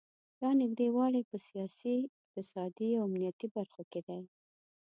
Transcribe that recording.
دا نږدې والی په سیاسي، اقتصادي او امنیتي برخو کې دی.